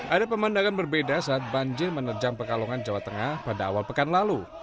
ada pemandangan berbeda saat banjir menerjang pekalongan jawa tengah pada awal pekan lalu